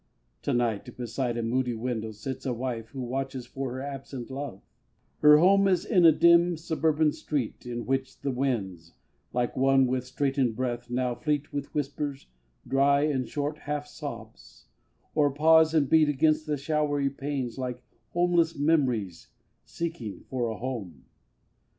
To night beside a moody window sits A wife who watches for her absent love; Her home is in a dim suburban street, In which the winds, like one with straitened breath, Now fleet with whispers dry and short half sobs, Or pause and beat against the showery panes Like homeless mem'ries seeking for a home.